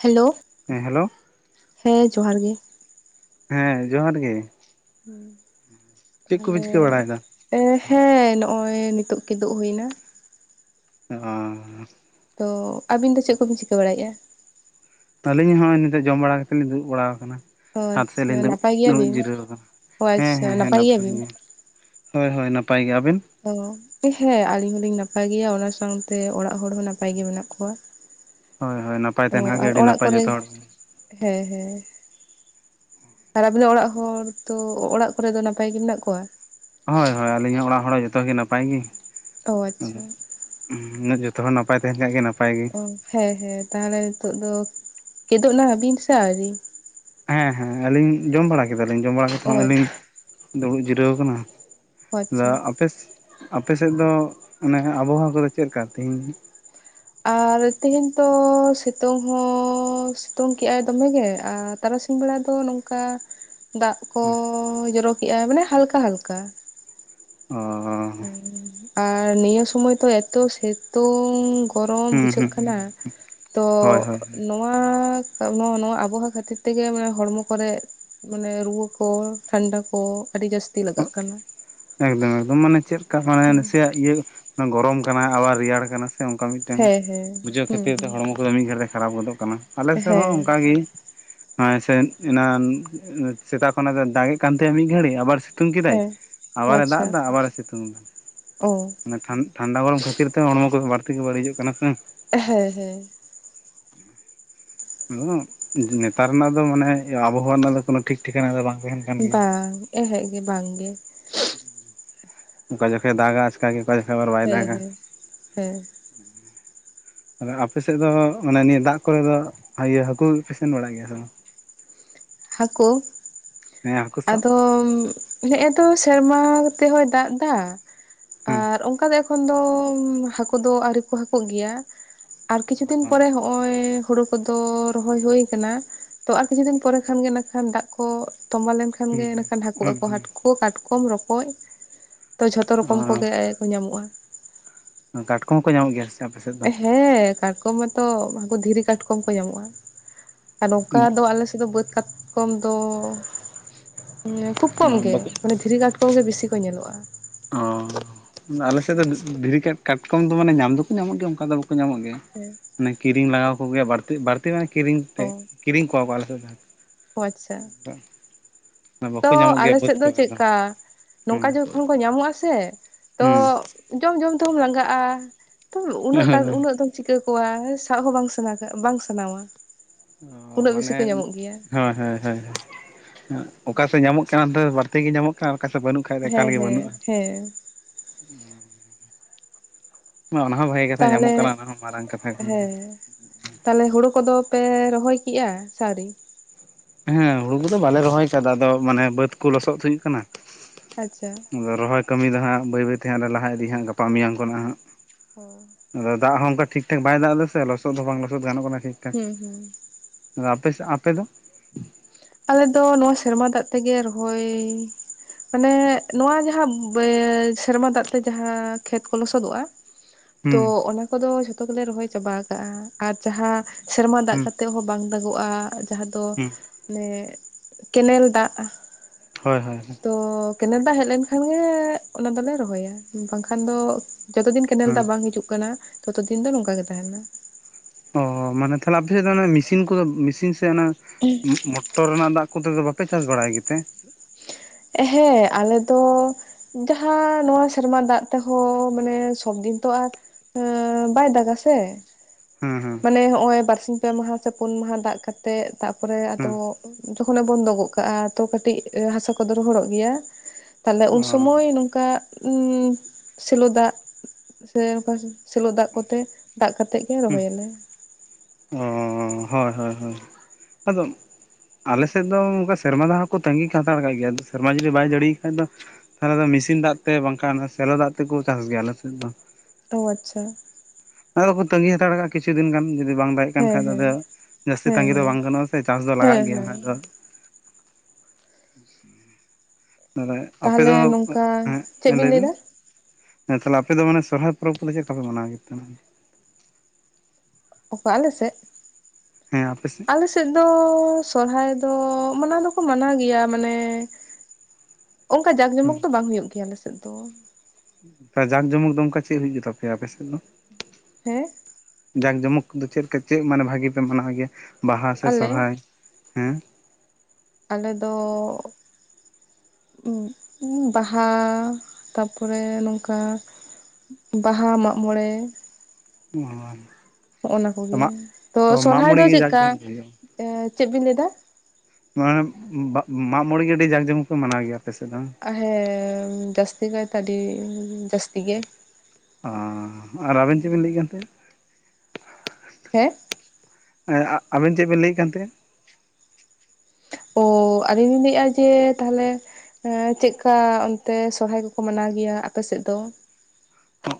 Hello ᱦᱮᱸ hello ᱦᱮᱸ ᱡᱚᱦᱟᱨ ᱜᱮ ᱦᱮᱸ ᱡᱚᱦᱟᱨ ᱜᱮ ᱦᱮᱸ ᱪᱮᱫ ᱠᱚᱯᱮ ᱛᱟᱦᱚᱞᱮ ᱪᱤᱠᱟᱹ ᱵᱟᱲᱟᱭᱮᱫᱟ? ᱮ ᱦᱮᱸ ᱱᱚᱜᱼᱚᱭ ᱱᱤᱛᱳᱜ ᱠᱤᱫᱩᱜ ᱦᱩᱭ ᱮᱱᱟ ᱚ [inaudible] [unintelligible] ᱛᱚ ᱟᱹᱵᱤᱱ ᱫᱚ ᱪᱮᱫ ᱠᱚᱵᱤᱱ ᱪᱤᱠᱟᱹ ᱵᱟᱲᱟᱭᱮᱜᱼᱟ ᱟᱹᱞᱤᱧ ᱦᱚᱸᱜᱚᱭ ᱱᱤᱛᱳᱜ ᱡᱚᱢ ᱵᱟᱲᱟ ᱠᱟᱛᱮᱫ ᱞᱤᱧ ᱫᱩᱲᱵ ᱵᱟᱲᱟ ᱟᱠᱟᱱᱟ ᱚ ᱪᱦᱟᱛ ᱥᱮᱫ ᱞᱤᱧ ᱟᱪᱪᱷᱟ ᱫᱩᱲᱩᱵ ᱱᱟᱯᱟᱭ ᱫᱩᱲᱩᱵ ᱜᱮᱭᱟᱵᱤᱱ ᱡᱤᱨᱟᱹᱣ ᱠᱟᱱᱟ ᱚ ᱦᱮᱸ ᱦᱮᱸ ᱟᱪᱪᱷᱟ ᱦᱮᱸ ᱱᱟᱯᱟᱭ ᱜᱮᱭᱟᱵᱤᱱ ᱜᱮ ᱦᱳᱭ ᱦᱳᱭ ᱱᱟᱯᱟᱭ ᱜᱮ ᱟᱵᱤᱱ ᱚ ᱦᱮᱸ ᱟᱞᱤᱧ ᱦᱚᱞᱤᱧ ᱱᱟᱯᱟᱭ ᱜᱮᱭᱟ ᱚᱱᱟ ᱥᱟᱶᱛᱮ ᱚᱲᱟᱜ ᱦᱚᱲ ᱦᱚᱸ ᱱᱟᱯᱟᱭ ᱜᱮ ᱢᱮᱱᱟᱜ ᱠᱚᱣᱟ [inaudible] ᱦᱳᱭ ᱦᱳᱭ ᱱᱟᱯᱟᱭ ᱚ ᱛᱟᱦᱮᱱ ᱠᱷᱟᱱ ᱜᱮ ᱟᱨ ᱟᱹᱰᱤ ᱚᱲᱟᱜ ᱱᱟᱯᱟᱭ ᱠᱚᱨᱮ ᱡᱚᱛᱚ ᱦᱚᱲ ᱦᱮᱸ ᱦᱮᱸ ᱟᱨ ᱟᱵᱤᱱᱟᱜ ᱚᱲᱟᱜ ᱦᱚᱲ ᱛᱚ ᱚᱲᱟᱜ ᱠᱚᱨᱮ ᱫᱚ ᱱᱟᱯᱟᱭ ᱜᱮ ᱢᱮᱱᱟᱜ ᱠᱚᱣᱟ ᱦᱳᱭ ᱦᱳᱭ ᱟᱹᱞᱤᱧᱟᱜ ᱚᱲᱟᱜ ᱦᱚᱲ ᱡᱚᱛᱚᱜ ᱜᱮ ᱱᱟᱯᱟᱭ ᱜᱮ ᱚ ᱟᱪᱪᱷᱟ ᱩᱱᱟᱹᱜ ᱡᱚᱛᱚᱚᱲ ᱱᱟᱯᱟᱭ ᱛᱟᱦᱮᱱ ᱠᱷᱟᱱ ᱜᱮ ᱱᱟᱯᱟᱭ ᱜᱮ ᱚ ᱦᱮᱸ ᱦᱮᱸ ᱛᱟᱦᱚᱞᱮ ᱱᱤᱛᱚᱜ ᱫᱚ ᱠᱮᱫᱚᱜ ᱱᱟᱵᱤᱱ ᱥᱮ ᱟᱹᱣᱨᱤ ᱦᱮᱸ ᱦᱮᱸ ᱟᱹᱞᱤᱧ ᱡᱚᱢ ᱵᱟᱲᱟ ᱠᱮᱫᱟᱞᱤᱧ ᱡᱚᱢ ᱵᱟᱲᱟ ᱠᱟᱛ ᱚ ᱦᱚᱸ ᱟᱹ ᱞᱤᱧ ᱟᱪᱪᱷᱟ ᱫᱩᱲᱩᱵ ᱡᱤᱨᱟᱹᱣ ᱠᱟᱱᱟ ᱚ ᱟᱫᱚ ᱟᱪᱪᱷᱟ ᱟᱯᱮᱥ ᱟᱯᱮ ᱥᱮᱫ ᱫᱚ ᱚᱱᱮ ᱟᱵᱚ ᱦᱟᱣᱟ ᱠᱚᱫᱚ ᱪᱮᱫᱞᱠᱟ ᱛᱮᱦᱤᱧ ᱟᱨ ᱛᱮᱦᱮᱧ ᱛᱚ ᱥᱤᱛᱩᱝ ᱦᱚᱸ ᱥᱤᱛᱩᱝ ᱠᱮᱜᱟᱭ ᱫᱚᱢᱮᱜᱮ ᱟᱨ ᱛᱟᱨᱟᱥᱤᱧ ᱵᱮᱲᱟ ᱫᱚ ᱱᱚᱝᱠᱟ ᱫᱟᱜ ᱠᱚᱭ ᱡᱚᱨᱚ ᱠᱮᱜᱼᱟ ᱢᱟᱱᱮ ᱦᱟᱞᱠᱟ ᱦᱟᱞᱠᱟ ᱚ [inaudible] ᱟᱨ ᱱᱤᱭᱟᱹ ᱥᱚᱢᱚᱭ ᱛᱚ ᱮᱛᱚ ᱥᱮᱛᱩᱝ ᱜᱚᱨᱚᱢ ᱦᱩᱸ ᱵᱩᱡᱷᱟᱹᱜ ᱦᱩᱸ ᱠᱟᱱᱟ ᱛᱚ ᱦᱳᱭ ᱦᱳᱭ ᱱᱚᱣᱟ ᱱᱚᱣᱟ ᱟᱵᱚᱦᱟᱣᱟ ᱠᱷᱟᱹᱛᱤᱨ ᱛᱮᱜᱮ ᱢᱟᱱᱮ ᱦᱚᱲᱢᱚ ᱠᱚᱨᱮ ᱢᱟᱱᱮ ᱨᱩᱣᱟᱹ ᱠᱚ ᱴᱷᱟᱱᱰᱟ ᱠᱚ ᱟᱹᱰᱤ ᱡᱟᱹᱥᱛᱤ ᱞᱟᱜᱟᱜ ᱠᱟᱱᱟ᱾ ᱮᱠᱫᱚᱢ ᱮᱠᱫᱚᱢ ᱢᱟᱱᱮ ᱪᱮᱫ ᱞᱮᱠᱟ ᱢᱟᱱᱮ ᱱᱟᱥᱮᱭᱟᱜ ᱜᱮ ᱜᱚᱨᱚᱢ ᱠᱟᱱᱟ ᱟᱵᱟᱨ ᱨᱮᱭᱟᱲ ᱠᱟᱱᱟ ᱚᱱᱠᱟ ᱢᱤᱫᱴᱮᱱ ᱦᱮᱸ ᱦᱮᱸ ᱵᱩᱡᱷᱟᱹᱣ ᱦᱩᱸ ᱠᱷᱟᱹᱛᱤᱨ ᱛᱮ ᱦᱩᱸ ᱦᱚᱲᱢᱚ [unintelligible] ᱢᱤᱜ ᱜᱮᱞᱮ ᱠᱷᱟᱨᱟᱯ ᱜᱚᱫᱚᱜ ᱠᱟᱱᱟ ᱟᱞᱮ ᱥᱮᱜ ᱦᱚᱸ ᱦᱮᱸ ᱚᱝᱠᱟ ᱜᱮ ᱦᱮᱸ ᱥᱮ ᱮᱱᱟᱱ ᱥᱮᱛᱟᱜ ᱠᱷᱚᱱᱟᱜ ᱫᱚᱭ ᱫᱟᱜᱮᱜ ᱠᱟᱱ ᱛᱟᱦᱮᱜ ᱢᱤᱫ ᱜᱷᱟᱹᱲᱤ ᱟᱵᱟᱨ ᱥᱤᱛᱩᱝ ᱠᱮᱫᱟᱭ ᱦᱮᱸ ᱟᱵᱟᱨᱮ ᱫᱟᱜ ᱫᱟ ᱟᱵᱟᱨᱮ ᱥᱤᱛᱩᱝ ᱫᱟ ᱳ ᱴᱷᱟᱱᱰᱟ ᱜᱚᱲᱚᱢ ᱠᱷᱟᱹᱛᱤᱨ ᱛᱮ ᱦᱚᱲᱢᱚ ᱠᱚ ᱵᱟᱹᱲᱛᱤ ᱜᱮ ᱵᱟᱹᱲᱤᱡᱚᱜ ᱠᱟᱱᱟ ᱥᱮ ᱦᱮᱸ ᱦᱮᱸ ᱱᱮᱛᱟᱨ ᱨᱮᱱᱟᱜ ᱫᱚ ᱢᱟᱱᱮ ᱟᱵᱚᱦᱟᱣᱟ ᱨᱮᱱᱟᱜ ᱫᱚ ᱠᱚᱱᱚ ᱴᱷᱤᱠ ᱴᱷᱤᱠᱱᱟ ᱫᱚ ᱵᱟᱝ ᱛᱟᱦᱮᱱ ᱠᱟᱱ ᱜᱮᱭᱟ ᱵᱟᱝ ᱮᱦᱮᱜ ᱜᱮ ᱵᱟᱝ ᱜᱮ ᱚᱠᱟ ᱡᱚᱠᱷᱚᱡ ᱮ ᱫᱟᱜᱟ ᱟᱪᱠᱟ ᱜᱮ ᱚᱠᱟ ᱡᱚᱠᱷᱚᱡ ᱟᱵᱟᱨ ᱵᱟᱭ ᱦᱮᱸ ᱫᱟᱜᱟ ᱦᱮᱸ [unintelligible] ᱟᱫᱚ ᱟᱯᱮ ᱥᱮᱫ ᱫᱚ ᱢᱟᱱᱮ ᱱᱤᱭᱟᱹ ᱫᱟᱜ ᱠᱚ ᱨᱮ ᱫᱚ ᱤᱭᱟᱹ ᱦᱟᱹᱠᱩ ᱯᱮ ᱥᱮᱱ ᱵᱟᱲᱟᱜ ᱜᱮᱭᱟ ᱥᱮ ᱵᱟᱝ ᱦᱟᱠᱳ ᱦᱮᱸ ᱦᱟᱹᱠᱩ ᱥᱟᱵ ᱟᱫᱚ ᱱᱮᱜ ᱮ ᱛᱚ ᱥᱮᱨᱢᱟ ᱛᱮᱦᱚᱭ ᱫᱟᱜ ᱫᱟ ᱦᱮᱸ ᱟᱨ ᱚᱝᱠᱟ ᱠᱷᱚᱱ ᱫᱚ ᱦᱟᱠᱳ ᱫᱚ ᱟᱹᱣᱨᱤ ᱠᱚ ᱦᱟᱠᱳᱜ ᱜᱮᱭᱟ ᱟᱨ ᱠᱤᱪᱷᱩ ᱫᱤᱱ ᱯᱚᱨᱮ ᱦᱚᱜ-ᱚᱭ ᱦᱳᱲᱳ ᱠᱚᱫᱚ ᱨᱚᱦᱚᱭ ᱦᱳᱭ ᱠᱟᱱᱟ ᱛᱚ ᱟᱨ ᱠᱤᱪᱷᱩ ᱫᱤᱱ ᱯᱚᱨᱮ ᱠᱷᱟᱱ ᱜᱮ ᱱᱟᱠᱷᱟᱱ ᱫᱟᱜ ᱠᱚ ᱛᱚᱢᱵᱟ ᱞᱮᱱᱠᱷᱟᱱ ᱜᱮ ᱦᱩᱸ ᱱᱟᱠᱷᱟᱱ ᱦᱟᱠᱳ ᱦᱩᱸ ᱟᱠᱚ ᱦᱩᱸ ᱦᱟᱴ ᱠᱚ ᱦᱟᱠᱳ, ᱠᱟᱴᱠᱚᱢ, ᱨᱚᱠᱚᱡ ᱛᱚ ᱡᱷᱚᱛᱚ ᱨᱚᱠᱚᱢ ᱠᱚ ᱜᱮ ᱠᱚ ᱧᱟᱢᱚᱜᱼᱟ ᱠᱟᱴᱠᱚᱢ ᱦᱚᱸᱠᱚ ᱧᱟᱢᱚᱜ ᱜᱮᱭᱟ ᱥᱮ ᱟᱯᱮ ᱥᱮᱫ ᱫᱚ? ᱦᱮᱸ ᱠᱟᱴᱠᱚᱢ ᱢᱟᱛᱚ [unintelligible] ᱫᱷᱤᱨᱤ ᱠᱟᱴᱠᱚᱢ ᱠᱚ ᱧᱟᱢᱚᱜᱼᱟ ᱟᱨ ᱱᱚᱝᱠᱟ ᱫᱚ ᱟᱞᱮ ᱥᱮᱫ ᱫᱚ ᱵᱟᱹᱫᱽ ᱠᱟᱴᱠᱚᱢ ᱫᱚ ᱠᱷᱩᱵ ᱠᱚᱢ ᱜᱮ ᱵᱟᱠᱚ ᱢᱟᱱᱮ ᱫᱷᱤᱨᱤ ᱠᱟᱴᱠᱚᱢ ᱜᱮ ᱵᱤᱥᱤ ᱠᱚ ᱧᱮᱞᱚᱜᱼᱟ ᱚ ᱟᱞᱮ ᱥᱮᱫ ᱫᱚ ᱫᱷᱤᱨᱤ ᱠᱟᱴᱠᱚᱢ ᱫᱚ ᱢᱟᱱᱮ ᱧᱟᱢ ᱫᱚᱠᱚ ᱧᱟᱢᱚᱜ ᱜᱮᱭᱟ ᱚᱱᱠᱟ ᱫᱚ ᱵᱟᱠᱚ ᱧᱟᱢᱚᱜ ᱜᱮᱭᱟ ᱦᱮᱸ ᱢᱟᱱᱮ ᱠᱤᱨᱤᱧ ᱞᱟᱜᱟᱣ ᱠᱚ ᱜᱮᱭᱟ ᱵᱟᱹᱲᱛᱤ ᱵᱟᱹᱲᱛᱤ ᱢᱟᱱᱮ ᱠᱤᱨᱤᱧ ᱛᱮ ᱚ ᱠᱤᱨᱤᱧ ᱠᱚᱣᱟ ᱠᱚ ᱟᱞᱮ ᱥᱮᱫ ᱫᱚ ᱚ ᱟᱪᱪᱷᱟ ᱛᱚ ᱵᱟᱠᱚ ᱧᱟᱢᱚᱜ ᱜᱮᱭᱟ ᱟᱞᱮ ᱵᱟᱹᱫᱽ ᱥᱮᱫ ᱫᱚ ᱠᱚᱨᱮ ᱪᱮᱫᱠᱟ ᱦᱩᱸ ᱱᱚᱝᱠᱟ ᱡᱚᱠᱷᱚᱱ ᱠᱚ ᱧᱟᱢᱚᱜ-ᱟ ᱥᱮ ᱛᱚ ᱦᱩᱸ ᱡᱚᱢ ᱡᱚᱢ ᱛᱮᱦᱚᱢ ᱞᱟᱸᱜᱟᱜᱼᱟ ᱛᱚ ᱩᱱᱟᱹᱜ ᱜᱟᱱ ᱩᱱᱟᱹᱜ ᱫᱚᱢ ᱪᱤᱠᱟᱹ ᱠᱚᱣᱟ ᱥᱟᱜ ᱦᱚᱸ ᱵᱟᱝ [unintelligible] ᱵᱟᱝ ᱥᱟᱱᱟᱣᱟ ᱚ ᱩᱱᱟᱹᱜ ᱵᱮᱥᱤ ᱢᱟᱱᱮ ᱠᱚ ᱧᱟᱢᱚᱜ ᱜᱮᱭᱟ ᱦᱳᱭ ᱦᱳᱭ ᱦᱳᱭ ᱚᱠᱟ ᱥᱮᱜ ᱧᱟᱢᱚᱜ ᱠᱟᱱᱟ, ᱚᱱᱛᱮ ᱵᱟᱹᱲᱛᱤ ᱜᱮ ᱧᱟᱢᱚᱜ ᱠᱟᱱᱟ ᱚᱠᱟ ᱥᱮᱫ ᱵᱟᱹᱱᱩᱜ ᱠᱷᱟᱡ ᱫᱚ ᱮᱠᱟᱞ ᱦᱮᱸ ᱜᱮ ᱦᱮᱸ ᱵᱟᱹᱱᱩᱜᱼᱟ ᱦᱮᱸ ᱚᱱᱟ ᱦᱚᱸ ᱵᱷᱟᱹᱜᱤ ᱠᱟᱛᱷᱟ ᱛᱟᱦᱚᱞᱮ ᱧᱟᱢᱚᱜ ᱠᱟᱱᱟ, ᱚᱱᱟ ᱦᱚᱸ ᱢᱟᱨᱟᱝ ᱠᱟᱛᱷᱟ ᱠᱟᱱ ᱜᱮᱭᱟ ᱛᱟᱦᱞᱮ ᱦᱳᱲᱳ ᱠᱚᱫᱚ ᱯᱮ ᱨᱚᱦᱚᱭ ᱠᱮᱜᱼᱟ ᱥᱮ ᱟᱣᱨᱤ ᱦᱮᱸ ᱦᱳᱲᱳ ᱠᱚᱫᱚ ᱵᱟᱞᱮ ᱨᱚᱦᱚᱭ ᱠᱟᱫᱟ ᱟᱫᱚ ᱢᱟᱱᱮ ᱵᱟᱹᱛ ᱠᱚ ᱞᱚᱥᱚᱫ ᱦᱩᱭᱩᱜ ᱠᱟᱱᱟ ᱟᱪᱪᱷᱟ ᱟᱫᱚ ᱨᱚᱦᱚᱭ ᱠᱟᱹᱢᱤ ᱫᱚ ᱦᱟᱜ ᱵᱟᱹᱭ ᱵᱟᱹᱭ ᱛᱮ ᱦᱟᱜ ᱞᱮ ᱞᱟᱦᱟ ᱤᱫᱤ ᱦᱟᱜ ᱜᱟᱯᱟ ᱢᱮᱭᱟᱝ ᱠᱷᱚᱱ ᱦᱟᱜ ᱚ ᱟᱫᱚ ᱫᱟᱜ ᱦᱚᱸ ᱚᱱᱠᱟ ᱴᱷᱤᱠ ᱴᱷᱟᱠ ᱵᱟᱭ ᱫᱟᱜ ᱫᱟᱥᱮ ᱞᱚᱥᱚᱫ ᱦᱚᱸ ᱵᱟᱝ ᱞᱚᱥᱚᱫ ᱜᱟᱱᱚᱜ ᱠᱟᱱᱟ ᱴᱷᱤᱠ ᱴᱷᱟᱠ ᱦᱩᱸ ᱦᱩᱸ ᱟᱫᱚ ᱟᱯᱮ ᱥᱮᱜ ᱟᱯᱮ ᱫᱚ ᱟᱞᱮ ᱫᱚ ᱱᱚᱣᱟ ᱥᱮᱨᱢᱟ ᱫᱟᱜ ᱛᱮᱜᱮ ᱨᱚᱦᱚᱭ ᱢᱟᱱᱮ ᱱᱚᱣᱟ ᱡᱟᱦᱟᱸ ᱥᱮᱨᱢᱟ ᱫᱟᱜ ᱛᱮ ᱡᱟᱦᱟᱸ ᱠᱷᱮᱛ ᱠᱚ ᱞᱚᱥᱚᱫᱚᱜᱼᱟ [unintelligible] ᱛᱚ ᱦᱩᱸ ᱚᱱᱟ ᱠᱚᱫᱚ ᱡᱷᱚᱛᱚ ᱜᱮᱞᱮ ᱨᱚᱦᱚᱭ ᱪᱟᱵᱟ ᱠᱟᱜ-ᱟ ᱟᱨ ᱡᱟᱦᱟᱸ ᱥᱮᱨᱢᱟ ᱫᱟᱜ ᱦᱩᱸ ᱠᱟᱛᱮᱜ ᱦᱚᱸ ᱵᱟᱝ ᱫᱟᱜᱚᱜ-ᱟ ᱡᱟᱦᱟᱸ ᱫᱚ ᱦᱩᱸ ᱢᱟᱱᱮ ᱠᱮᱱᱮᱞ ᱫᱟᱜ ᱦᱳᱭ ᱦᱳᱭ ᱦᱳᱭ ᱛᱚ ᱠᱮᱱᱮᱞ ᱫᱟᱜ ᱦᱮᱡ ᱞᱮᱱᱠᱷᱟᱱ ᱜᱮ ᱚᱱᱟ ᱫᱚᱞᱮ ᱨᱚᱦᱚᱭᱟ ᱵᱟᱝᱠᱷᱟᱱ ᱫᱚ ᱡᱚᱛᱚ ᱫᱤᱱ ᱠᱮᱱᱮᱞ ᱫᱟᱜ ᱵᱟᱝ ᱦᱤᱡᱩᱜ ᱠᱟᱱᱟ ᱛᱚᱛᱚ ᱫᱤᱱ ᱫᱚ ᱱᱚᱝᱠᱟ ᱜᱮ ᱛᱟᱦᱮᱸᱱᱟ ᱾ ᱚ ᱢᱟᱱᱮ ᱛᱟᱦᱚᱞᱮ ᱟᱯᱮ ᱥᱮᱫ ᱫᱚ ᱚᱱᱮ ᱢᱤᱥᱤᱱ ᱠᱚᱫᱚ ᱢᱮᱥᱤᱱ ᱥᱮ ᱚᱱᱟ ᱢᱚᱜ ᱢᱚᱴ ᱢᱚᱴᱚᱨ ᱨᱮᱱᱟᱜ ᱫᱟᱜ ᱠᱚᱛᱮ ᱫᱚ ᱵᱟᱯᱮ ᱪᱟᱥ ᱵᱟᱲᱟᱭ ᱜᱮᱛᱮ ᱮᱦᱮᱸ ᱟᱞᱮ ᱫᱚ ᱡᱟᱦᱟᱸ ᱱᱚᱣᱟ ᱥᱮᱨᱢᱟ ᱫᱟᱜ ᱛᱮᱦᱚᱸ ᱢᱟᱱᱮ ᱥᱚᱵᱫᱤᱱ ᱛᱚ ᱟᱨ ᱟᱸ ᱵᱟᱭ ᱫᱟᱜᱼᱟ ᱥᱮ ᱦᱮᱸ ᱦᱮᱸ ᱢᱟᱱᱮ ᱦᱚᱸᱚᱭ ᱵᱟᱨᱥᱤᱧ ᱯᱮ ᱢᱟᱦᱟ ᱥᱮ ᱯᱩᱱ ᱢᱟᱦᱟ ᱫᱟᱜ ᱠᱟᱛᱮᱜ ᱛᱟᱨᱯᱚᱨᱮ ᱟᱫᱚ ᱦᱮᱸ ᱛᱚᱠᱷᱚᱱᱮ ᱵᱚᱱᱫᱚ ᱜᱚᱱ ᱠᱟᱜᱼᱟ ᱛᱚ ᱠᱟᱹᱴᱤᱡ ᱦᱟᱥᱟ ᱠᱚᱫᱚ ᱨᱚᱦᱚᱲᱚᱜ ᱜᱮᱭᱟ ᱛᱟᱦᱞᱮ ᱚ ᱩᱱᱥᱚᱢᱚᱭ ᱱᱚᱝᱠᱟ ᱩᱸᱥᱮᱞᱚ ᱫᱟᱜ ᱥᱮ ᱚᱱᱠᱟ ᱥᱮᱞᱚ ᱫᱟᱜ ᱠᱚᱛᱮ ᱫᱟᱜ ᱠᱟᱛᱮ ᱮ ᱨᱚᱦᱚᱭᱟᱞᱮ ᱚᱸᱻ ᱦᱳᱭ ᱦᱳᱭ ᱟᱫᱚ ᱟᱞᱮ ᱥᱮᱫ ᱫᱚ ᱚᱱᱠᱟ ᱥᱮᱨᱢᱟ ᱫᱟᱜ ᱦᱚᱸ ᱠᱚ ᱛᱟᱺᱜᱤ ᱦᱟᱛᱟᱲ ᱠᱟᱜ ᱜᱮᱭᱟ, ᱥᱮᱨᱢᱟ ᱡᱩᱫᱤ ᱵᱟᱭ ᱡᱟᱹᱲᱤᱭ ᱠᱷᱟᱡ ᱫᱚ ᱛᱟᱦᱚᱞᱮ ᱫᱚ ᱢᱤᱥᱤᱱ ᱫᱟᱜ ᱛᱮ ᱵᱟᱝᱠᱷᱟᱱ ᱥᱮᱞᱳ ᱫᱟᱜ ᱛᱮᱠᱚ ᱪᱟᱥ ᱜᱮᱭᱟ ᱟᱞᱮ ᱥᱮᱫ ᱫᱚ ᱚ ᱟᱪᱷᱟ ᱟᱫᱚ ᱠᱚ ᱛᱟᱺᱜᱤ ᱦᱟᱛᱟᱲᱠᱟᱜᱼᱟ ᱠᱤᱪᱷᱩ ᱫᱤᱱ ᱜᱟᱱ ᱡᱩᱫᱤ ᱵᱟᱝ ᱵᱟᱭᱼᱼ ᱦᱮᱸ ᱠᱟᱱᱠᱷᱟᱡ ᱫᱚ ᱦᱮᱸ ᱡᱮ ᱡᱟᱹᱥᱛᱤ ᱦᱮᱸ ᱛᱟᱺᱜᱤ ᱫᱚ ᱦᱮᱸ ᱵᱟᱝ ᱜᱟᱱᱚᱜᱼᱟ ᱥᱮ ᱪᱟᱥ ᱫᱚ ᱞᱟᱜᱟᱜ ᱦᱮᱸ ᱜᱮᱭᱟ ᱦᱟᱜ ᱦᱮᱸ ᱟᱫᱚ [unintelligible] ᱟᱯᱮ ᱛᱟᱦᱚᱞᱮ ᱫᱚ ᱱᱚᱝᱠᱟ ᱪᱮᱫ ᱞᱟᱹᱭ ᱵᱤᱱ ᱞᱟᱹᱭᱫᱟ ᱦᱮᱸ ᱛᱟᱦᱚᱞᱮ ᱟᱯᱮ ᱫᱚ ᱢᱟᱱᱮ ᱥᱚᱦᱨᱟᱭ ᱯᱚᱨᱚᱵᱽ ᱠᱚ ᱪᱮᱫ ᱞᱮᱠᱟ ᱯᱮ ᱢᱟᱱᱟᱣᱮᱜ ᱛᱟᱦᱮᱱᱟ ᱚᱠᱟ ᱟᱞᱮ ᱥᱮᱜ ᱦᱮᱸ ᱟᱯᱮ ᱥᱮᱫ ᱟᱞᱮ ᱥᱮᱫ ᱫᱚ ᱥᱚᱨᱦᱟᱭ ᱫᱚ ᱢᱟᱱᱟᱣ ᱫᱚᱠᱚ ᱢᱟᱱᱟᱣ ᱜᱮᱭᱟ ᱢᱟᱱᱮᱼᱼ ᱚᱝᱠᱟ ᱡᱟᱠᱼᱡᱚᱢᱚᱠ ᱦᱮᱸ ᱫᱚ ᱵᱟᱝ ᱦᱩᱭᱩᱜ ᱜᱮᱭᱟ ᱟᱞᱮ ᱥᱮᱫ ᱫᱚ ᱡᱟᱠ ᱡᱚᱢᱚᱠ ᱫᱚ ᱚᱝᱠᱟ ᱪᱮᱫ ᱦᱩᱭᱩᱜ ᱛᱟᱯᱮᱭᱟ ᱟᱯᱮ ᱥᱮᱫ ᱫᱚ ᱦᱮᱸ ᱡᱟᱜᱽ ᱡᱚᱢᱚᱠ ᱫᱚ ᱪᱮᱫ ᱞᱮᱠᱟ ᱪᱮᱫ ᱢᱟᱱᱮ ᱵᱷᱟᱹᱜᱤ ᱯᱮ ᱢᱟᱱᱟᱣ ᱜᱮᱭᱟ ᱵᱟᱦᱟ ᱥᱮ ᱟᱞᱮ ᱥᱚᱨᱦᱟᱭ ᱦᱮᱸ ᱟᱞᱮ ᱫᱚ [unintelligible] ᱵᱟᱦᱟ ᱛᱟᱨᱯᱚᱨᱮ ᱱᱚᱝᱠᱟ ᱵᱟᱦᱟ ᱢᱟᱜᱢᱚᱬᱮ ᱚᱸ [unintelligible] ᱱᱚᱜᱼᱱᱚᱣᱟ ᱠᱚᱜᱮ ᱛᱚ ᱥᱚᱨᱦᱟᱭ ᱫᱚ ᱜᱮ ᱪᱮᱫ ᱡᱟᱠ ᱞᱮᱠᱟ ᱡᱚᱢᱚᱠ ᱦᱩᱭᱩᱜᱼᱟ ᱮᱸ ᱪᱮᱫ ᱵᱤᱱ ᱞᱟᱹᱭ ᱮᱫᱟ ᱢᱟᱱᱮ ᱵᱟᱜ ᱢᱟᱜ ᱢᱚᱬᱮ ᱜᱮ ᱟᱹᱰᱤ ᱡᱟᱠ ᱡᱚᱢᱚᱠ ᱯᱮ ᱢᱟᱱᱟᱣ ᱜᱮᱭᱟ ᱟᱯᱮ ᱥᱮᱫ ᱫᱚ ᱦᱚᱸ ᱦᱮᱸ ᱡᱟᱹᱥᱛᱤ ᱠᱟᱭ ᱛᱮ ᱟᱹᱰᱤ ᱡᱟᱹᱥᱛᱤ ᱜᱮ ᱟᱸᱻ ᱟᱨ ᱟᱹᱵᱤᱱ ᱪᱮᱫ ᱵᱤᱱ ᱞᱟᱹᱭᱮᱫ ᱠᱟᱱ ᱦᱟᱱᱛᱮ ᱦᱮᱸ ᱮ ᱟᱜ ᱟᱹᱵᱤᱱ ᱪᱮᱫ ᱵᱮᱱ ᱞᱟᱹᱭᱮᱫ ᱠᱟᱱ ᱛᱟᱦᱮᱱ ᱚᱻ ᱟᱹᱞᱤᱧ ᱞᱤᱧ ᱞᱟᱹᱭᱮᱜᱼᱟ ᱡᱮ ᱛᱟᱦᱚᱞᱮ ᱦᱮᱸ ᱪᱮᱜᱠᱟ ᱚᱱᱛᱮ ᱥᱚᱦᱨᱟᱭ ᱠᱚᱠᱚ ᱢᱟᱱᱟᱣ ᱜᱮᱭᱟ ᱟᱯᱮ ᱥᱮᱫ ᱫᱚ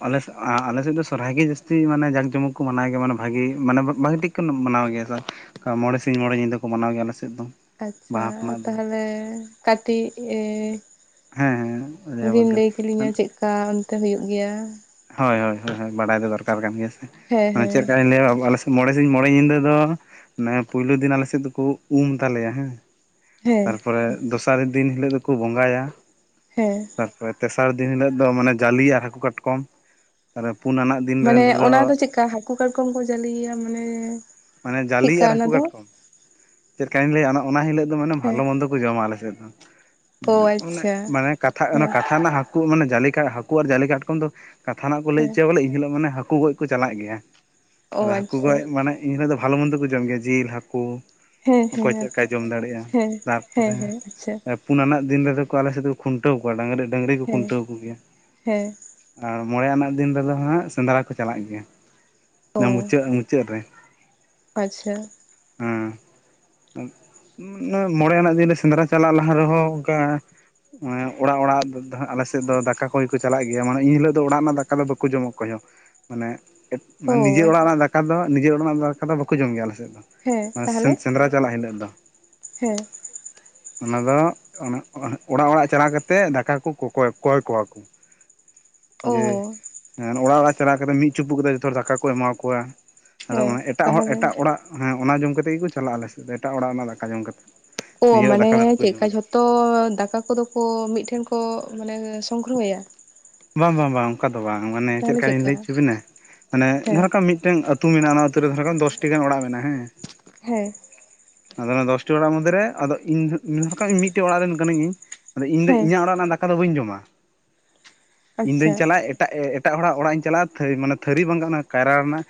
ᱟᱞᱮ ᱥᱮᱜ ᱟ ᱟᱞᱮᱥᱮᱫ ᱫᱚ ᱥᱚᱨᱦᱟᱭ ᱜᱮ ᱡᱟᱹᱥᱛᱤ ᱢᱟᱱᱮ ᱡᱟᱠ ᱡᱚᱢᱚᱠ ᱠᱚ ᱢᱟᱱᱟᱣ ᱜᱮᱭᱟ ᱢᱟᱱᱮ ᱵᱷᱟᱹᱜᱤ ᱢᱟᱱᱮ ᱵᱷᱟᱹᱜᱤ ᱴᱷᱤᱠ [unintelligible] ᱢᱟᱱᱟᱣ ᱜᱮᱭᱟ ᱥᱮ ᱢᱚᱬᱮ ᱥᱤᱧ ᱢᱚᱬᱮ ᱧᱤᱫᱟᱹ ᱠᱚ ᱢᱟᱱᱟᱣ ᱜᱮᱭᱟ ᱟᱞᱮ ᱥᱮᱫ ᱫᱚ ᱟᱪᱪᱷᱟ ᱵᱟᱦᱟ ᱠᱷᱚᱱᱟᱜ ᱫᱚ ᱛᱟᱦᱚᱞᱮ ᱠᱟᱹᱴᱤᱡ ᱮᱻ ᱦᱮᱸ ᱦᱮᱸ ᱞᱟᱹᱭᱟᱵᱚᱱ ᱵᱤᱱ ᱞᱟᱹᱭ ᱠᱮᱞᱤᱧᱟ ᱠᱟᱱᱟ ᱪᱮᱫᱞᱮᱠᱟ ᱚᱱᱛᱮ ᱦᱩᱭᱩᱜ ᱜᱮᱭᱟ ᱦᱳᱭ ᱦᱳᱭ ᱦᱳᱭ ᱦᱳᱭ ᱵᱟᱰᱟᱭ ᱫᱚ ᱫᱚᱨᱠᱟᱨ ᱠᱟᱱ ᱜᱮᱭᱟ ᱥᱮ ᱦᱮᱸ ᱢᱟᱱᱮ ᱦᱮᱸ ᱪᱮᱫ ᱞᱮᱠᱟᱹᱧ ᱞᱤᱧ ᱞᱟᱹᱭᱟᱵᱤᱱ ᱟᱞᱮ ᱥᱮᱫᱼᱼ ᱢᱚᱬᱮ ᱥᱤᱧ ᱢᱚᱬᱮ ᱧᱤᱫᱟᱹ ᱫᱚ ᱢᱮ ᱯᱩᱭᱞᱩ ᱫᱤᱱ ᱟᱞᱮ ᱥᱮᱫ ᱫᱚᱠᱚ ᱩᱢ ᱛᱟᱞᱮᱭᱟ ᱦᱮᱸ ᱦᱮᱸ ᱦᱚᱭ ᱫᱚᱥᱟᱨ ᱫᱤᱱ ᱦᱤᱞᱚᱜ ᱫᱚᱠᱚ ᱵᱚᱸᱜᱟᱭᱟ ᱦᱮᱸ ᱛᱟᱨᱯᱚᱨᱮ ᱛᱮᱥᱟᱨ ᱫᱤᱱ ᱦᱤᱞᱚᱜ ᱫᱚ ᱢᱟᱱᱮ ᱡᱟᱹᱞᱤ ᱟᱨ ᱦᱟᱹᱠᱩ ᱠᱟᱴᱠᱚᱢ ᱛᱟᱦᱚᱞᱮ ᱯᱩᱱ ᱟᱱᱟᱜ ᱫᱤᱱ ᱢᱟᱱᱮ ᱚᱱᱟ ᱫᱚ ᱨᱮᱫᱚ ᱪᱮᱫ ᱞᱮᱠᱟ ᱦᱟᱹᱠᱩ ᱠᱟᱴᱠᱚᱢ ᱠᱚ ᱡᱟᱹᱞᱤᱭᱮᱭᱟ ᱢᱟᱱᱮ ᱢᱟᱱᱮ ᱡᱟᱞᱤ ᱪᱮᱫᱠᱟ ᱟᱨ ᱚᱱᱟ ᱦᱟᱹᱠᱩ ᱫᱚ ᱠᱟᱴᱠᱚᱢ ᱪᱤᱠᱟᱹᱧ ᱞᱟᱹᱭᱟ ᱚᱱᱟ ᱦᱤᱞᱚᱜ ᱫᱚ ᱢᱟᱱᱮ ᱵᱷᱟᱞᱚ ᱦᱮᱸ ᱢᱚᱱᱫᱚ ᱠᱚ ᱡᱚᱢᱟ ᱟᱞᱮ ᱥᱮᱫ ᱫᱚ ᱚ ᱚᱱᱮ ᱟᱪᱪᱷᱟ ᱢᱟᱱᱮ ᱠᱟᱛᱷᱟ ᱚᱱᱟ ᱦᱮᱸ ᱠᱟᱛᱷᱟ ᱨᱮᱱᱟᱜ ᱦᱟᱹᱠᱩ ᱢᱟᱱᱮ ᱡᱟᱹᱞᱮᱠᱟ ᱦᱟᱹᱠᱩ ᱟᱨ ᱡᱟᱹᱞᱤ ᱠᱟᱴᱠᱚᱢ ᱫᱚ ᱠᱟᱛᱷᱟᱱᱟᱜ ᱠᱚ ᱞᱟᱹᱭ ᱦᱮᱸ ᱚᱪᱚᱭᱟ ᱵᱚᱞᱮ ᱮᱱ ᱦᱤᱞᱚᱜ ᱢᱟᱱᱮ ᱦᱟᱹᱠᱩ ᱜᱚᱡ ᱠᱚ ᱪᱟᱞᱟᱜ ᱜᱮᱭᱟ ᱚ ᱟᱫᱚ ᱦᱟᱹᱠᱩ ᱟᱪᱪᱷᱟ ᱜᱚᱡ ᱢᱟᱱᱮ ᱮᱱ ᱦᱤᱞᱚᱜ ᱫᱚ ᱵᱷᱟᱞᱮ ᱢᱚᱱᱫᱚ ᱠᱚ ᱡᱚᱢ ᱜᱮᱭᱟ ᱡᱤᱞ ᱦᱟᱹᱠᱩ ᱦᱮᱸ ᱚᱠᱚᱭ ᱦᱮᱸ ᱪᱮᱫ ᱞᱮᱠᱟᱭ ᱡᱚᱢ ᱫᱟᱲᱮᱭᱟᱜᱼᱟ ᱦᱮᱸ ᱦᱮᱸ ᱛᱟᱨᱯᱚᱨᱮ ᱦᱮᱸ ᱟᱪᱪᱷᱟ ᱯᱩᱱ ᱟᱱᱟᱜ ᱫᱤᱱ ᱨᱮᱫᱚ ᱟᱞᱮ ᱥᱮᱫ ᱫᱚᱠᱚ ᱠᱷᱩᱱᱴᱟᱹᱣ ᱠᱚᱣᱟ ᱰᱹᱟᱝᱨᱤ ᱰᱟᱹᱝᱨᱤ ᱠᱚ ᱦᱮᱸ ᱠᱷᱩᱱᱴᱟᱹᱣ ᱠᱚᱜᱮᱭᱟ ᱦᱮᱸ ᱟᱨ ᱢᱚᱬᱮ ᱟᱱᱟᱜ ᱫᱤᱱ ᱨᱮᱫᱚ ᱦᱟᱸᱜ ᱥᱮᱸᱫᱽᱨᱟ ᱠᱚ ᱪᱟᱞᱟᱜ ᱜᱮᱭᱟ ᱚᱱᱟ ᱚ ᱢᱩᱪᱟᱹᱫ ᱢᱩᱪᱟᱹᱫ ᱨᱮ ᱟᱪᱪᱷᱟ ᱦᱮᱸ᱾ ᱢᱚᱬᱮ ᱟᱱᱟᱜ ᱫᱤᱱᱨᱮ ᱥᱮᱸᱫᱽᱨᱟ ᱪᱟᱞᱟᱜ ᱞᱟᱦᱟ ᱨᱮᱦᱚᱸ ᱚᱱᱠᱟ ᱚᱲᱟᱜ ᱚᱲᱟᱜ ᱟᱞᱮ ᱥᱮᱫ ᱫᱚ ᱫᱟᱠᱟ ᱠᱚᱭ ᱠᱚ ᱪᱟᱞᱟᱜ ᱜᱮᱭᱟ ᱢᱟᱱᱮ ᱤᱱᱦᱤᱞᱳᱜ ᱫᱚ ᱚᱲᱟᱜ ᱨᱮᱱᱟᱜ ᱫᱟᱠᱟ ᱫᱚ ᱵᱟᱠᱚ ᱡᱚᱢᱟ ᱚᱠᱚᱭ ᱦᱚᱸ ᱢᱟᱱᱮ [unintelligible] ᱚ ᱢᱟᱱᱮ ᱱᱤᱡᱮᱨ ᱚᱲᱟᱜ ᱨᱮᱱᱟᱜ ᱫᱟᱠᱟ ᱫᱚ ᱱᱤᱡᱮᱨ ᱚᱲᱟᱜ ᱨᱮᱱᱟᱜ ᱫᱟᱠᱟ ᱫᱚ ᱵᱟᱠᱚ ᱡᱚᱢ ᱜᱮᱭᱟ ᱟᱞᱮᱥᱮᱫ ᱫᱚ ᱦᱮᱸ ᱛᱟᱦᱚᱞᱮ [unintelligible] ᱥᱮᱸᱫᱽᱨᱟ ᱪᱟᱞᱟᱜ ᱦᱤᱞᱚᱜ ᱫᱚ ᱦᱮᱸ᱾ ᱚᱱᱟ ᱫᱚ ᱚᱲᱟᱜ ᱚᱲᱟᱜ ᱪᱟᱞᱟᱣ ᱠᱟᱛᱮᱫ ᱫᱟᱠᱟ ᱠᱚ ᱠᱚᱭ [unintelligible] ᱠᱚᱣᱟ ᱠᱚ᱾ [unintelligible] ᱡᱮ ᱚᱲᱟᱜ ᱚᱲᱟᱜ ᱪᱟᱞᱟᱣ ᱠᱟᱛᱮᱫ ᱢᱤᱫ ᱪᱩᱯᱩᱫ ᱠᱟᱛᱮᱫ ᱡᱚᱛᱚ ᱦᱚᱲ ᱫᱟᱠᱟ ᱠᱚ ᱮᱢᱟ ᱠᱚᱣᱟ᱾ ᱟᱫᱚ ᱦᱮᱸ ᱚᱱᱟ ᱮᱴᱟᱜ ᱦᱚᱲ ᱛᱟᱦᱚᱞᱮ ᱮᱴᱟᱜ ᱚᱲᱟᱜ ᱦᱮᱸ ᱚᱱᱟ ᱡᱚᱢ ᱠᱟᱛᱮᱫ ᱜᱮᱠᱚ ᱪᱟᱞᱟᱜᱼᱟ ᱟᱞᱮ ᱥᱮᱫ ᱫᱚ ᱮᱴᱟᱜ ᱚᱲᱟᱜᱱᱨᱮᱱᱟᱜ ᱫᱟᱠᱟ ᱡᱚᱢ ᱠᱟᱛᱮᱫ᱾ [unintelligible] ᱱᱤᱡᱮᱨᱟᱜ ᱢᱟᱱᱮ ᱫᱟᱠᱟ ᱫᱚ ᱵᱟᱠᱚ ᱪᱮᱫ ᱞᱮᱠᱟ ᱡᱚᱢᱟ ᱡᱷᱚᱛᱚ ᱫᱟᱠᱟ ᱠᱚᱫᱚ ᱠᱚ ᱢᱤᱫᱴᱷᱮᱱ ᱠᱚ ᱢᱟᱱᱮ ᱥᱚᱝᱜᱨᱚᱦᱚᱭᱟ ᱵᱟᱝ ᱵᱟᱝ ᱵᱟᱝ ᱚᱱᱠᱟ ᱫᱚ ᱵᱟᱝ ᱢᱟᱱᱮ ᱪᱮᱫ ᱛᱟᱦᱚᱞᱮ ᱞᱮᱠᱟ ᱞᱤᱧ ᱪᱮᱫᱠᱟ ᱞᱟᱹᱭ ᱚᱪᱚ ᱵᱤᱱᱟ ᱢᱟᱱᱮ ᱡᱟᱦᱟᱸ ᱦᱮᱸ ᱞᱮᱠᱟ ᱢᱤᱫᱴᱟᱝ ᱟᱹᱛᱩ ᱟᱹᱛᱩ ᱢᱮᱱᱟᱜᱼᱟ ᱚᱱᱟ ᱟᱹᱛᱩ ᱨᱮ [unintelligible] ᱫᱚᱥᱴᱤ ᱜᱟᱱ ᱚᱲᱟᱜ ᱢᱮᱱᱟᱜᱼᱟ ᱦᱮᱸ ᱦᱮᱸ᱾ ᱟᱫᱚ ᱚᱱᱟ ᱫᱚᱥᱴᱤ ᱚᱲᱟᱜ ᱢᱚᱫᱽᱫᱷᱮᱨᱮ ᱟᱫᱚ ᱤᱧ ᱦᱚᱸ [unintelligible] ᱢᱤᱫᱴᱮᱡ ᱚᱲᱟᱜ ᱨᱮᱱ ᱠᱟᱹᱱᱟᱹᱧ ᱤᱧ ᱟᱫᱚ ᱤᱧ ᱫᱚ ᱦᱮᱸ ᱤᱧᱟᱹᱜ ᱚᱲᱟᱜ ᱨᱮᱱᱟᱜ ᱫᱟᱠᱟ ᱫᱚ ᱵᱟᱹᱧ ᱡᱚᱢᱟ ᱤᱧ ᱫᱩᱧ ᱟᱪᱪᱷᱟ ᱪᱟᱞᱟᱜᱼᱟ ᱮᱴᱟᱜ [unintelligible] ᱦᱚᱲᱟᱜ ᱚᱲᱟᱜ ᱤᱧ ᱪᱟᱞᱟᱜᱼᱟ ᱛᱷᱟᱹᱨᱤ ᱵᱟᱝ ᱠᱷᱟᱱ ᱚᱱᱟ ᱠᱟᱭᱨᱟ ᱨᱮᱱᱟᱜ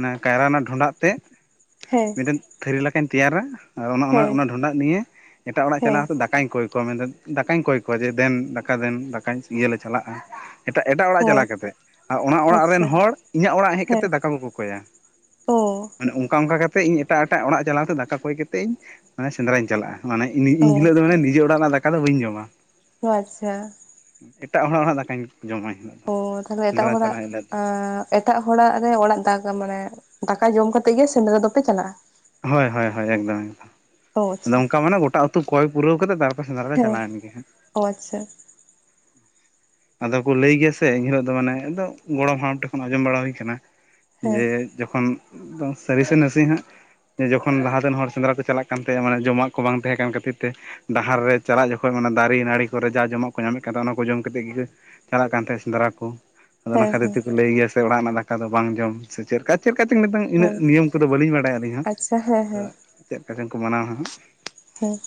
ᱚᱱᱟ ᱠᱟᱭᱨᱟ ᱨᱮᱱᱟᱜ ᱰᱷᱚᱸᱰᱟᱜ ᱛᱮ ᱦᱮᱸ᱾ ᱛᱷᱟᱹᱨᱤ ᱞᱮᱠᱟᱧ ᱛᱮᱭᱟᱨᱟ ᱟᱨ ᱦᱮᱸ ᱚᱱᱟ ᱰᱷᱚᱸᱰᱟᱜ ᱱᱤᱭᱟᱹ ᱮᱴᱟᱜ ᱚᱲᱟᱜ ᱪᱟᱞᱟᱣ ᱦᱮᱸ ᱠᱟᱛᱮᱫ ᱫᱟᱠᱟ ᱫᱟᱠᱟᱧ ᱠᱚᱭ ᱠᱚᱣᱟ ᱢᱮᱱᱫᱚ ᱫᱟᱠᱟᱧ ᱠᱚᱭ ᱠᱚᱣᱟ ᱡᱮ ᱫᱮᱱ ᱫᱟᱠᱟ ᱫᱮᱱ ᱫᱟᱠᱟ ᱤᱭᱟᱹᱞᱮ ᱪᱟᱞᱟᱜᱼᱟ᱾ ᱮᱴᱟᱜ ᱮᱴᱟᱜ ᱚᱲᱟᱜ ᱦᱳᱭ ᱪᱟᱞᱟᱣ [unintelligible] ᱠᱟᱛᱮᱫ ᱟᱨ ᱚᱱᱟ ᱚᱲᱟᱜ ᱨᱮᱱ ᱟᱪᱪᱷᱟ ᱦᱚᱲ ᱤᱧᱟᱹᱜ ᱚᱲᱟᱜ ᱦᱮᱡ ᱦᱮᱸ ᱠᱟᱛᱮ ᱫᱟᱠᱟ ᱠᱚ ᱠᱚᱠᱚᱭᱟ᱾ [unintelligible] ᱚ ᱢᱟᱱᱮ ᱚᱱᱠᱟ ᱚᱱᱠᱟ ᱠᱟᱛᱮᱫ ᱤᱧ ᱮᱴᱟᱜ ᱮᱴᱟᱜ ᱚᱲᱟᱜ ᱪᱟᱞᱟᱣ ᱠᱟᱛᱮᱫ ᱫᱟᱠᱟ ᱠᱚᱭ ᱠᱟᱛᱮ ᱤᱧ ᱢᱟᱱᱮ ᱥᱮᱸᱫᱽᱨᱟᱧ ᱪᱟᱞᱟᱜᱼᱟ᱾ ᱢᱟᱱᱮ ᱤᱧ ᱚ ᱦᱤᱞᱳᱜ ᱫᱚ ᱢᱟᱱᱮ ᱱᱤᱡᱮ ᱚᱲᱟᱜ ᱨᱮᱱᱟᱜ ᱫᱟᱠᱟ ᱫᱚ ᱵᱟᱹᱧ ᱡᱚᱢᱟ᱾ ᱚ ᱟᱪᱪᱷᱟ᱾ ᱮᱴᱟᱜ ᱦᱚᱲᱟᱜ ᱚᱲᱟᱜ ᱫᱟᱠᱟᱧ ᱡᱚᱢᱟ ᱮᱱᱦᱤᱞᱚᱜ ᱫᱚ᱾ ᱚ ᱛᱟᱦᱚᱞᱮ ᱮᱴᱟᱜ ᱥᱮᱸᱫᱽᱨᱟ ᱦᱚᱲᱟᱜ ᱪᱟᱞᱟᱜ ᱦᱤᱞᱳᱜ ᱫᱚ ᱮᱴᱟᱜ ᱦᱚᱲᱟᱜ ᱨᱮ ᱚᱲᱟᱜ [unintelligible] ᱢᱟᱱᱮ ᱫᱟᱠᱟ ᱡᱚᱢ ᱠᱟᱛᱮᱫ ᱜᱮ ᱥᱮᱸᱫᱽᱨᱟ ᱫᱚᱯᱮ ᱪᱟᱞᱟᱜᱼᱟ᱾ ᱦᱳᱭ ᱦᱳᱭ ᱦᱳᱭ ᱮᱠᱫᱚᱢ ᱮᱠᱫᱚᱢ ᱚ ᱟᱫᱚ ᱟᱪᱪᱷᱟ ᱚᱱᱠᱟ ᱢᱟᱱᱮ ᱜᱚᱴᱟ ᱟᱛᱩ ᱠᱚᱭ ᱯᱩᱨᱟᱹᱣ ᱠᱟᱛᱮᱫ [unintelligible] ᱥᱮᱸᱫᱽᱨᱟ ᱞᱮ ᱦᱮᱸ ᱪᱟᱞᱟᱣ ᱮᱱ ᱜᱮ ᱦᱟᱸᱜ ᱚ ᱟᱪᱪᱷᱟ᱾ ᱟᱫᱚ ᱠᱚ ᱞᱟᱹᱭ ᱜᱮᱭᱟ ᱥᱮ ᱮᱱᱦᱤᱞᱳᱜ ᱫᱚ ᱢᱟᱱᱮ ᱟᱫᱚ ᱜᱚᱲᱚᱢ ᱦᱟᱲᱟᱢ ᱴᱷᱮᱱ ᱠᱷᱚᱱ ᱟᱸᱡᱚᱢ ᱵᱟᱲᱟ ᱦᱩᱭ ᱟᱠᱟᱱᱟ ᱦᱮᱸ ᱡᱮ ᱡᱚᱠᱷᱚᱱ ᱥᱟᱹᱨᱤ ᱥᱮ ᱱᱟᱥᱮ ᱦᱟᱸᱜ [unintelligible] ᱡᱚᱠᱷᱚᱱ ᱞᱟᱦᱟ ᱛᱮᱱ ᱦᱚᱲ ᱥᱮᱸᱫᱽᱨᱟ ᱠᱚ ᱪᱟᱞᱟᱜ ᱠᱟᱱ ᱛᱟᱦᱮᱸᱫ ᱢᱟᱱᱮ ᱡᱚᱢᱟᱜ ᱠᱚ ᱵᱟᱝ ᱛᱟᱦᱮᱸ ᱠᱟᱱ ᱠᱷᱟᱹᱛᱤᱨ ᱛᱮ ᱰᱟᱦᱟᱨ ᱨᱮ ᱪᱟᱞᱟᱜ ᱡᱚᱠᱷᱚᱱ ᱚᱱᱟ ᱫᱟᱨᱮ ᱱᱟᱹᱲᱤ ᱠᱚᱨᱮ ᱡᱟ ᱡᱚᱢᱟᱜ ᱠᱚ ᱧᱟᱢᱮᱫ ᱠᱟᱱ ᱛᱟᱦᱮᱸᱱᱟ ᱚᱱᱟ ᱠᱚ ᱡᱚᱢ ᱠᱟᱛᱮᱫ ᱜᱮ ᱪᱟᱞᱟᱜ ᱠᱟᱱ ᱛᱟᱦᱮᱸᱫ ᱥᱮᱸᱫᱽᱨᱟ ᱠᱚ ᱟᱫᱚ ᱦᱮᱸ ᱠᱷᱟᱛᱤᱨ ᱦᱮᱸ ᱛᱮ ᱠᱚ ᱞᱟᱹᱭ ᱜᱮᱭᱟ ᱥᱮ ᱚᱲᱟᱜ ᱨᱮᱱᱟᱜ ᱫᱟᱠᱟ ᱫᱚ ᱵᱟᱝ ᱡᱚᱢ ᱥᱮ ᱪᱮᱫ ᱞᱮᱠᱟ ᱪᱮᱫ ᱞᱮᱠᱟ ᱪᱚᱝ ᱱᱤᱛᱚᱝ ᱚ ᱤᱱᱟᱹᱜ ᱱᱤᱭᱚᱢ ᱠᱚᱫᱚ ᱵᱟᱹᱞᱤᱧ ᱵᱟᱲᱟᱭᱟ ᱟᱹᱞᱤᱧ ᱦᱚᱸ ᱟᱪᱪᱷᱟ ᱦᱮᱸ ᱪᱮᱫ ᱞᱮᱠᱟ ᱪᱚᱝ ᱠᱚ ᱢᱟᱱᱟᱣᱟ ᱦᱟᱸᱜ ᱦᱩᱸ᱾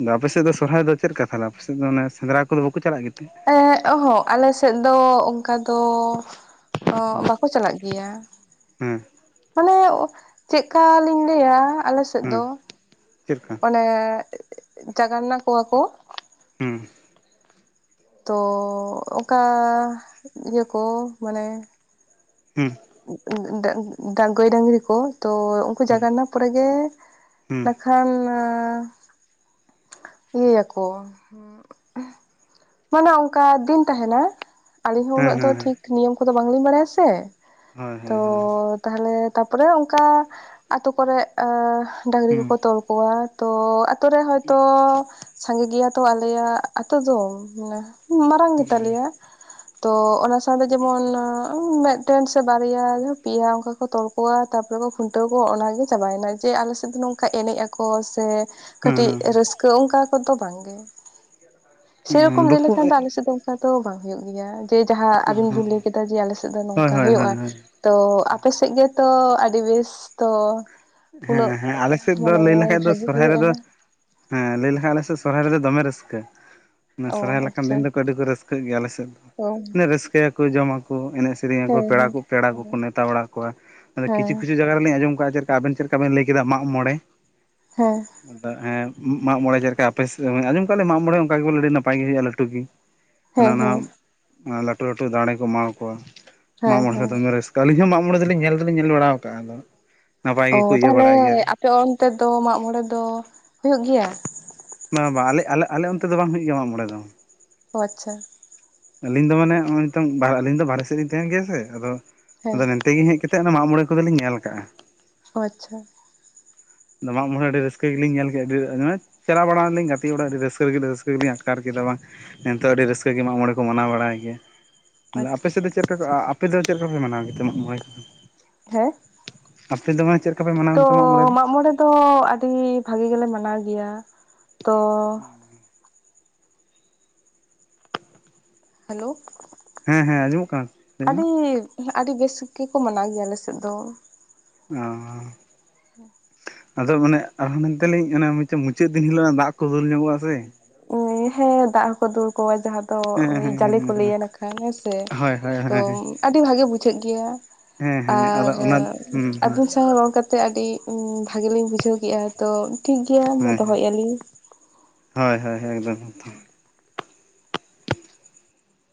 ᱟᱫᱚ ᱟᱯᱮ ᱥᱮᱫ ᱫᱚ ᱥᱚᱨᱦᱟᱭ ᱫᱚ ᱪᱮᱫ ᱞᱮᱠᱟ ᱛᱟᱷᱚᱞᱮ ᱟᱯᱮ ᱥᱮᱫ ᱫᱚ ᱚᱱᱮ ᱥᱮᱸᱫᱽᱨᱟ ᱠᱚᱫᱚ ᱵᱟᱠᱚ ᱪᱟᱞᱟᱜ ᱜᱮᱛᱮ? ᱮ ᱚᱦᱚᱸᱜ ᱟᱞᱮ ᱥᱮᱫ ᱫᱚ ᱚᱱᱠᱟ ᱫᱚ [unintelligible] ᱵᱟᱠᱚ ᱪᱟᱞᱟᱜ ᱜᱮᱭᱟ ᱦᱮᱸ ᱾ ᱢᱟᱱᱮ ᱪᱮᱫ ᱞᱠᱟ ᱞᱤᱧ ᱞᱟᱹᱭᱟ ᱟᱞᱮ ᱟᱞᱮ ᱥᱮᱫ ᱫᱚ ᱪᱮᱫ ᱞᱮᱠᱟ ᱚᱱᱮ ᱡᱟᱜᱟᱱᱱᱟ ᱠᱚᱣᱟ ᱠᱚ ᱦᱩᱸ᱾ ᱛᱚ ᱚᱱᱠᱟ ᱤᱭᱟᱹ ᱠᱚ ᱢᱟᱱᱮ ᱦᱮᱸ᱾ [unintelligible] ᱜᱟᱹᱭ ᱰᱟᱹᱜᱽᱨᱤ ᱠᱚ ᱛᱚ ᱩᱱᱠᱩ ᱦᱳᱭ ᱡᱟᱜᱟᱣᱱᱟ ᱯᱚᱨᱮ ᱜᱮ ᱦᱩᱸ [unintelligible] ᱤᱭᱟᱹᱭᱟᱠᱚ ᱾ ᱢᱟᱱᱮ ᱚᱱᱠᱟ ᱫᱤᱱ ᱛᱟᱦᱮᱱᱟ ᱟᱞᱤᱧ ᱦᱚᱸ ᱩᱱᱟᱹᱜ ᱦᱮᱸ ᱫᱚ ᱦᱮᱸ ᱦᱮᱸ ᱴᱷᱤᱠ ᱱᱤᱭᱚᱢ ᱠᱚᱫᱚ ᱵᱟᱝᱞᱤᱧ ᱵᱟᱲᱟᱭᱟ ᱥᱮ ᱦᱳᱭ ᱾ ᱛᱚ ᱦᱳᱭ ᱦᱳᱭ ᱛᱟᱦᱞᱮ ᱛᱟᱯᱚᱨᱮ ᱚᱱᱠᱟ ᱟᱛᱳ ᱠᱚᱨᱮ ᱰᱟᱹᱝᱨᱤ ᱦᱩᱸ ᱠᱚᱠᱚ ᱛᱚᱞ ᱠᱚᱣᱟ ᱛᱚ ᱟᱹᱛᱳ ᱨᱮ ᱦᱚᱭᱛᱳ ᱥᱟᱸᱜᱮ ᱜᱮᱭᱟ ᱛᱚ ᱟᱞᱮᱭᱟᱜ-ᱟ ᱟᱛᱳ ᱫᱚ ᱢᱟᱨᱟᱝ ᱜᱮᱛᱟᱞᱮᱭᱟ ᱾ ᱛᱚ ᱚᱱᱟ ᱥᱟᱶᱛᱮ ᱡᱮᱢᱚᱱ ᱢᱮᱫ ᱢᱤᱫᱴᱮᱱ ᱥᱮ ᱵᱟᱨᱭᱟ ᱯᱮᱭᱟ ᱚᱱᱠᱟ ᱠᱚ ᱛᱚᱞ ᱠᱚᱣᱟ ᱛᱟᱯᱚᱨᱮ ᱠᱚ ᱠᱷᱩᱱᱴᱟᱹᱣ ᱠᱚᱣᱟ ᱚᱱᱟᱜᱮ ᱪᱟᱵᱟᱭᱮᱱᱟ ᱡᱮ ᱟᱞᱮᱥᱮᱫ ᱫᱚ ᱱᱚᱝᱠᱟ ᱠᱷᱟᱜ ᱮᱱᱮᱡ ᱟᱠᱚ ᱥᱮ ᱦᱮᱸ ᱠᱟᱹᱴᱤᱡ ᱨᱟᱹᱥᱠᱟᱹ ᱚᱱᱠᱟ ᱠᱚᱫᱚ ᱵᱟᱝᱜᱮ ᱾ ᱦᱩᱸ ᱫᱩᱠᱩ ᱦᱮᱜ ᱟᱫᱚᱢ ᱥᱮᱫ ᱫᱚ ᱚᱱᱠᱟ ᱫᱚ ᱵᱟᱝ ᱦᱩᱭᱩᱜ ᱜᱮᱭᱟ ᱡᱮ ᱡᱟᱦᱟᱸ ᱟᱵᱤᱱ ᱵᱤᱱ ᱞᱟᱹᱭ ᱠᱮᱫᱟ ᱡᱮ ᱟᱞᱮ ᱥᱮᱫ ᱫᱚ ᱦᱳᱭ ᱱᱚᱝᱠᱟ ᱦᱳᱭ ᱦᱩᱭᱩᱜ-ᱟ ᱾ ᱛᱚ ᱟᱯᱮᱥᱮᱫ ᱜᱮᱛᱚ ᱟᱹᱰᱤ ᱵᱮᱥ ᱛᱚ ᱦᱮᱸ ᱩᱱᱟᱹᱜ ᱦᱮᱸ ᱟᱞᱮ ᱥᱮᱫ ᱫᱚ ᱢᱟᱱᱮ ᱞᱟᱹᱭ ᱞᱮᱠᱷᱟᱡ ᱫᱚ ᱵᱷᱟᱜᱤ ᱥᱚᱨᱦᱟᱭ ᱦᱩᱭᱩᱜᱼᱟ ᱨᱮᱫᱚ ᱦᱮᱸ ᱞᱟᱹᱭ ᱞᱮᱠᱷᱟᱱ ᱟᱞᱮ ᱥᱮᱫ ᱥᱚᱨᱦᱟᱭ ᱨᱮᱫᱚ ᱫᱚᱢᱮ ᱨᱟᱹᱥᱠᱟᱹ ᱚ ᱥᱚᱨᱦᱟᱭ ᱞᱮᱠᱟᱱ ᱟᱪᱪᱷᱟ ᱫᱤᱱ ᱫᱚᱠᱚ ᱟᱹᱰᱤ ᱠᱚ ᱨᱟᱹᱥᱠᱟᱹᱜ ᱜᱮᱭᱟ ᱟᱞᱮ ᱥᱮᱫ ᱚ ᱨᱟᱹᱥᱠᱟᱹᱭᱟᱠᱚ ᱡᱚᱢᱟ ᱠᱚ ᱮᱱᱮᱡ ᱥᱮ ᱥᱮᱨᱮᱧ ᱟᱠᱚ ᱦᱮᱸ ᱯᱮᱲᱟ ᱦᱮᱸ ᱠᱚ ᱯᱮᱲᱟ ᱠᱚᱠᱚ ᱦᱮᱸ ᱱᱮᱣᱛᱟ ᱵᱟᱲᱟ ᱠᱚᱣᱟ ᱠᱤᱪᱷᱩ ᱦᱮᱸ ᱠᱤᱪᱷᱩ ᱡᱟᱭᱜᱟ ᱨᱮᱞᱤᱧ ᱟᱸᱡᱚᱢ ᱠᱟᱜ-ᱟ ᱡᱮ ᱟᱵᱤᱱ ᱪᱮᱫ ᱞᱮᱠᱟ ᱵᱮᱱ ᱞᱟᱹᱭ ᱠᱮᱫᱟ ᱢᱟᱜ ᱢᱚᱬᱮ ᱦᱮᱸ ᱟᱫᱚ ᱦᱮᱸ ᱢᱟᱜ ᱢᱚᱬᱮ ᱪᱮᱫ ᱞᱮᱠᱟ ᱟᱯᱮ ᱥᱮ ᱟᱸᱡᱚᱢ ᱠᱟᱜ ᱞᱤᱧ ᱢᱟᱜ ᱢᱚᱬᱮ ᱚᱱᱠᱟ ᱜᱮᱞᱮ ᱟᱹᱰᱤ ᱱᱟᱯᱟᱭ ᱜᱮ ᱦᱩᱭᱩᱜ-ᱟ ᱞᱟᱹᱴᱩ ᱜᱮ [inaudible] ᱦᱟᱱᱟ ᱱᱟᱣᱟ ᱞᱟᱹᱴᱩ ᱞᱟᱹᱴᱩ ᱫᱟᱲᱮ ᱠᱚ ᱮᱢᱟᱣᱟ ᱠᱚᱣᱟ ᱢᱟᱜ ᱦᱮᱸ ᱢᱚᱬᱮ ᱦᱮᱸ ᱫᱚᱢᱮ ᱨᱟᱹᱥᱠᱟᱹ ᱟᱹᱞᱤᱧ ᱦᱚᱸ ᱢᱟᱜ ᱢᱚᱬᱮ ᱫᱚᱞᱤ ᱧᱮᱧ ᱫᱚ ᱧᱮᱞ ᱵᱟᱲᱟᱣ ᱟᱠᱟᱫ ᱫᱚ ᱚ ᱛᱟᱦᱚᱞᱮ ᱟᱯᱮ ᱚᱱᱛᱮ ᱫᱚ ᱢᱟᱜᱢᱚᱲᱮ ᱫᱚ ᱦᱩᱭᱩᱜ ᱜᱮᱭᱟ? ᱵᱟᱝ ᱵᱟᱝ ᱟᱞᱮ ᱟᱞᱮ ᱚᱱᱛᱮ ᱫᱚ ᱵᱟᱝ ᱦᱩᱭᱩᱜ ᱜᱮᱭᱟ ᱢᱟᱜ ᱢᱚᱬᱮ ᱫᱚ ᱟᱪᱪᱷᱟ ᱟᱞᱤᱧ ᱫᱚ ᱢᱟᱱᱮ ᱚᱦᱚ ᱱᱤᱛᱚᱝ ᱟᱹᱞᱤᱧ ᱫᱚ ᱵᱟᱨᱦᱮ ᱥᱮᱫ ᱞᱤᱧ ᱛᱟᱦᱮᱱ ᱜᱮᱭᱟ ᱥᱮ ᱟᱫᱚ ᱦᱮᱸ ᱟᱫᱚ ᱛᱮᱜᱮ ᱦᱮᱡ ᱠᱟᱛᱮ ᱚᱱᱟ ᱢᱟᱜ ᱢᱚᱬᱮ ᱠᱚᱫᱚᱞᱤᱧ ᱧᱮᱞ ᱟᱠᱟᱜ-ᱟ ᱾ ᱟᱪᱪᱷᱟ ᱱᱚᱣᱟ ᱢᱟᱜᱢᱚᱬᱮ ᱟᱹᱰᱤ ᱨᱟᱹᱥᱠᱟᱹ ᱜᱮᱞᱤᱧ ᱧᱮᱞ ᱠᱮᱫ-ᱟ [unintelligible] ᱾ ᱪᱟᱞᱟᱣ ᱵᱟᱲᱟᱱᱟᱞᱤ ᱜᱟᱛᱮ ᱚᱲᱟᱜ ᱟᱹᱰᱤ ᱨᱟᱹᱥᱠᱟᱹ ᱜᱮᱞᱮ ᱨᱟᱹᱥᱠᱟᱹ ᱜᱮᱞᱤᱧ ᱟᱴᱟᱨ ᱠᱮᱫᱟ ᱵᱟᱝ ᱮᱱᱛᱮ ᱟᱹᱰᱤ ᱨᱟᱹᱥᱠᱟᱹ ᱜᱮ ᱢᱟᱜᱢᱚᱬᱮ ᱠᱚ ᱢᱟᱱᱟᱣ ᱵᱟᱲᱟᱭ ᱜᱮᱭᱟ ᱾ ᱟᱯᱮ ᱟᱪᱪᱷᱟ ᱥᱮᱫ ᱫᱚ ᱪᱮᱫ ᱞᱮᱠᱟ ᱠᱚ ᱟᱯᱮ ᱫᱚ ᱪᱮᱫ ᱞᱮᱠᱟ ᱯᱮ ᱢᱟᱱᱟᱣᱟ ᱜᱮᱛᱚ ᱢᱟᱜᱢᱚᱬᱮ ᱠᱚ? ᱦᱮᱸ ᱟᱯᱮ ᱫᱚ ᱢᱟᱱᱮ ᱪᱮᱫᱞᱮᱠᱟ ᱯᱮ ᱢᱟᱱᱟᱣ ᱜᱮᱛᱚ ᱢᱟᱜ ᱢᱚᱬᱮ ᱫᱚ? ᱛᱚ ᱟᱹᱰᱤ ᱵᱷᱟᱜᱤ ᱜᱮᱞᱮ ᱢᱟᱱᱟᱣ ᱜᱮᱭᱟ ᱛᱚ ᱦᱮᱞᱳ ᱦᱮᱸ ᱦᱮᱸ ᱟᱸᱡᱚᱢᱚᱜ ᱠᱟᱱᱟ ᱞᱟᱹᱭ ᱢᱮ ᱟᱹᱰᱤᱻ ᱟᱹᱰᱤ ᱵᱮᱥ ᱜᱮᱠᱚ ᱢᱟᱱᱟᱣ ᱜᱮᱭᱟ ᱟᱞᱮᱥᱮᱫ ᱫᱚ ᱾ ᱚᱦᱸᱻ ᱟᱫᱚ ᱚᱱᱮ ᱟᱨᱦᱚᱸ ᱢᱮᱱᱛᱮᱞᱤᱧ ᱢᱩᱪᱟᱹᱫ ᱫᱤᱱ ᱦᱤᱞᱳᱜ ᱫᱟᱜ ᱠᱚ ᱫᱩᱞ ᱧᱚᱜᱚᱜ-ᱟ ᱥᱮ ᱾ ᱩ ᱦᱮᱸ ᱫᱟᱜ ᱦᱚᱠᱚ ᱫᱩᱞ ᱟᱠᱚᱭᱟ ᱡᱟᱦᱟᱭ ᱛᱚ ᱦᱮᱸ ᱳᱭ ᱦᱮᱸ ᱡᱟᱞᱮ ᱠᱚ ᱦᱮᱸ ᱞᱟᱹᱭᱟ ᱱᱟᱠᱷᱟᱱ ᱦᱮᱸᱥᱮ ᱦᱳᱭ ᱦᱳᱭ ᱛᱚ ᱦᱳᱭ ᱟᱹᱰᱤ ᱵᱷᱟᱜᱮ ᱵᱩᱡᱷᱟᱹᱜ ᱜᱮᱭᱟ ᱦᱮᱸ ᱦᱮᱸ ᱟᱨ ᱟᱫᱚ ᱚᱱᱟ ᱦᱩᱸ ᱦᱩᱸ ᱟᱵᱤᱱ ᱥᱟᱶ ᱨᱚᱲ ᱠᱟᱛᱮ ᱟᱹᱰᱤ ᱵᱷᱟᱜᱮᱞᱤᱧ ᱵᱩᱡᱷᱟᱹᱣ ᱠᱮᱫ-ᱟ ᱛᱚ ᱴᱷᱤᱠ ᱜᱮᱭᱟ ᱢᱟ ᱦᱳᱭ ᱫᱚᱦᱚᱭᱮᱫ-ᱟᱞᱤᱧ ᱦᱳᱭ ᱦᱳᱭ ᱮᱠᱫᱚᱢ ᱮᱠᱫᱚᱢ